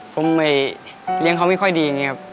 ผมไม่เลี้ยงเขาไม่ค่อยดีอย่างนี้ครับ